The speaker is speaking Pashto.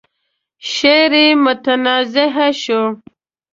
شعر يې متنازعه شو.